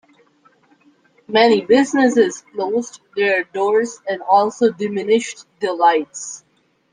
Many businesses closed their doors and also diminished the lights.